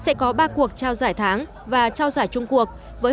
sẽ có ba cuộc trao giải tháng và trao giải chung cuộc